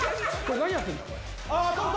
何やってんだ？